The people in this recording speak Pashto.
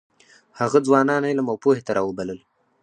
هغه ځوانان علم او پوهې ته راوبلل.